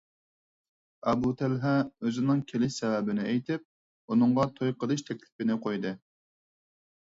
ئەبۇ تەلھە ئۆزىنىڭ كېلىش سەۋەبىنى ئېيتىپ، ئۇنىڭغا توي قىلىش تەكلىپىنى قويدى.